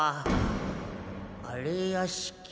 荒れ屋敷。